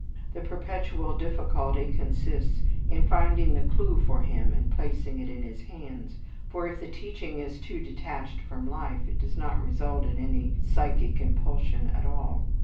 The perpetual difficulty consists in finding the clue for him and placing it in his hands, for, if the teaching is too detached from life, it does not result in any psychic impulsion at all.